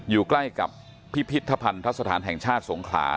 อยู่ใกล้กับพิพิธพันธ์ทัศนฐานแห่งชาติสงขลา